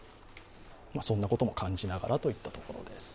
そんなことも感じながらといったところです。